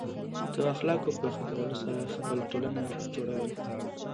د اخلاقو په ښه کولو سره خپل ټولنه جوړول.